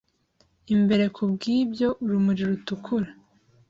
Imbere kubwibyo urumuri rutukura